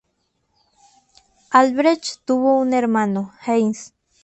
Albrecht tuvo un hermano, Heinz.